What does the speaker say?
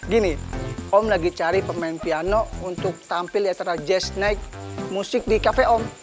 gini om lagi cari pemain piano untuk tampil di antara jazz naik musik di cafe om